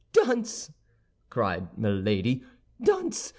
"Dunce," cried Milady, "dunce!